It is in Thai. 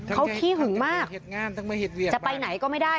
เขาขี้หึงมากจะไปไหนก็ไม่ได้